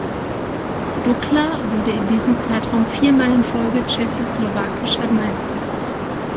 Dukla wurde in diesem Zeitraum vier Mal in Folge tschechoslowakischer Meister.